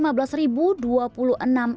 beberapa tahun kemudian yeni sudah meninggal